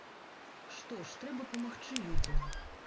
Што ж, трэба памагчы людзям.